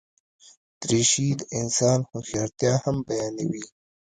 دریشي د انسان هوښیارتیا هم بیانوي.